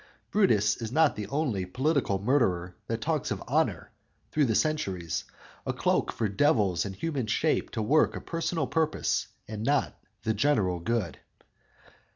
Brutus is not the only political murderer that talks of "honor" through the centuries, a cloak for devils in human shape to work a personal purpose and not "the general good."